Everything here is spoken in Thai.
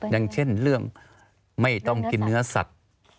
อย่างเช่นเรื่องไม่ต้องกินเนื้อสัตว์